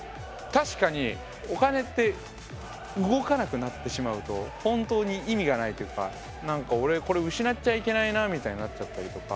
確かにお金って動かなくなってしまうと本当に意味がないというかなんか俺これ失っちゃいけないなみたいになっちゃったりとか。